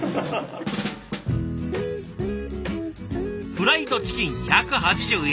フライドチキン１８０円。